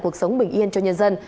cuộc sống bình yên cho nhân dân